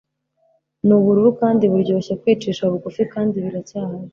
Nubururu kandi buryoshye kwicisha bugufi kandi biracyahari